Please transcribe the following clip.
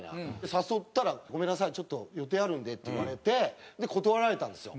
誘ったら「ごめんなさいちょっと予定あるんで」って言われて断られたんですよ。